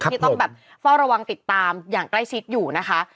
ที่ต้องแบบเฝ้าระวังติดตามอย่างใกล้ชิดอยู่นะคะ